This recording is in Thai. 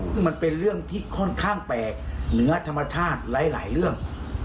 ซึ่งมันเป็นเรื่องที่ค่อนข้างแปลกเหนือธรรมชาติหลายเรื่อง